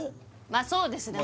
まあそうですね